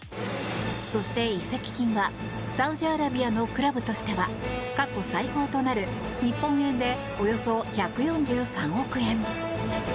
そして移籍金はサウジアラビアのクラブとしては過去最高となる日本円で、およそ１４３億円。